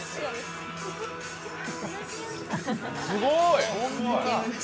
すごーい！